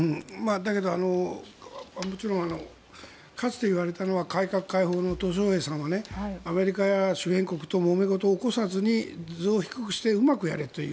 だけどかつて言われたのは改革開放のトウ・ショウヘイさんはアメリカや周辺国ともめ事を起こさずに頭を低くしてうまくやれと。